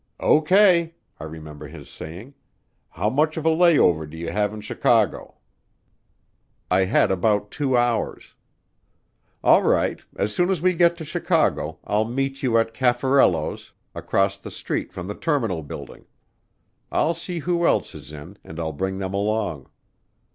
"O.K.," I remember his saying, "how much of a layover do you have in Chicago?" I had about two hours. "All right, as soon as we get to Chicago I'll meet you at Caffarello's, across the street from the terminal building. I'll see who else is in and I'll bring them along."